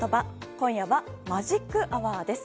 今夜はマジックアワーです。